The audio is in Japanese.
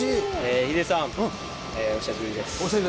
ヒデさん、お久しぶりです。